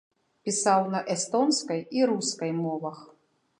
Пісаў на эстонскай і рускай мовах.